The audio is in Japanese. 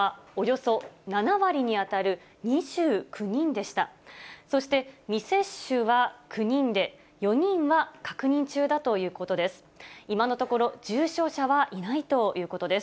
そして、未接種は９人で、４人は確認中だということです。